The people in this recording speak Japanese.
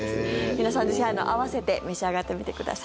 皆さん、ぜひ合わせて召し上がってみてください。